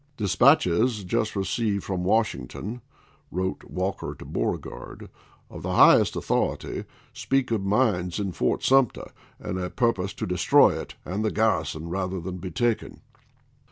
"Dispatches just received from Washing ton," wrote Walker to Beauregard, "of the high est authority, speak of mines in Fort Sumter, and a purpose to destroy it and the garrison rather than be taken.